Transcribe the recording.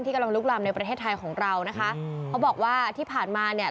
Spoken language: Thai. กำลังลุกลำในประเทศไทยของเรานะคะเขาบอกว่าที่ผ่านมาเนี่ย